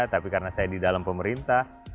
tapi karena saya di dalam pemerintah